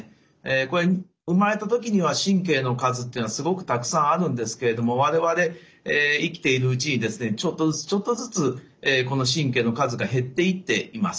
これ生まれた時には神経の数っていうのはすごくたくさんあるんですけれども我々生きているうちにですねちょっとずつちょっとずつこの神経の数が減っていっています。